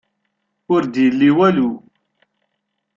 Ur d-yelli walu.